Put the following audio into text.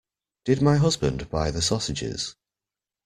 Did my husband buy the sausages?